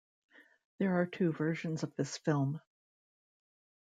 There are two versions of this film.